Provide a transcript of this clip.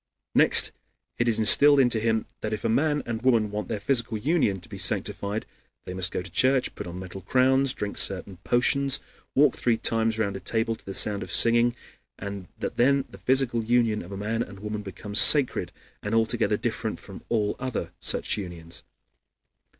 Next it is instilled into him that if a man and woman want their physical union to be sanctified they must go to church, put on metal crowns, drink certain potions, walk three times round a table to the sound of singing, and that then the physical union of a man and woman becomes sacred and altogether different from all other such unions.